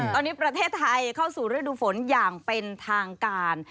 ตอนนี้ประเทศไทยเข้าสู่ฤดูฝนอย่างเป็นทางการ